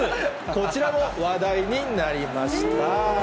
こちらも話題になりました。